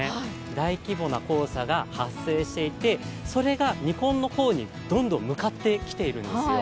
大規模な黄砂が発生していてそれが日本の方にどんどん向かってきているんですよ。